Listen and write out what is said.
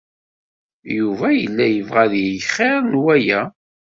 Yuba yella yebɣa ad yeg xir n waya.